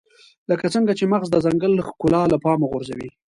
لکه څنګه چې مغز د ځنګل ښکلا له پامه غورځوي.